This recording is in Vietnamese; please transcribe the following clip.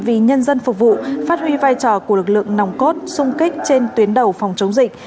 vì nhân dân phục vụ phát huy vai trò của lực lượng nòng cốt sung kích trên tuyến đầu phòng chống dịch